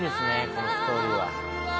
このストーリーは。